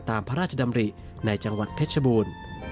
ตามพระราชดำริในจังหวัดเพชรบูรณ์